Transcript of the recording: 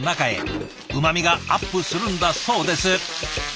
うまみがアップするんだそうです。